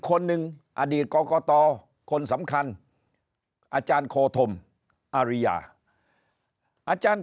คนหนึ่งอดีตกรกตคนสำคัญอาจารย์โคธมอาริยาอาจารย์